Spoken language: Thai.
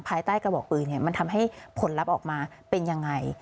ภายใต้กระบอกปืนมันทำให้ผลลัพธ์ออกมาเป็นยังไง